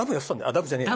ダムじゃねえや。